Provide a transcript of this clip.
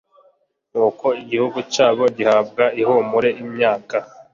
Nuko igihugu cyabo gihabwa ihumure imyaka